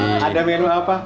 ada menu apa